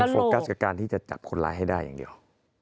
โฟกัสกับการที่จะจับคนร้ายให้ได้อย่างเดียว